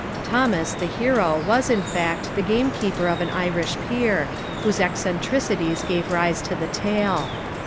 Thomas, the hero, was, in fact, the gamekeeper of an Irish peer, whose eccentricities gave rise to the tale.